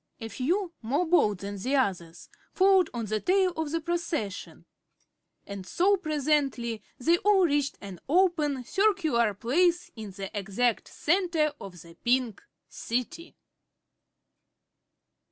A few, more bold than the others, followed on at the tail of the procession, and so presently they all reached an open, circular place in the exact center of the Pink City.